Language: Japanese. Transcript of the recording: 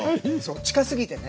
近すぎてね。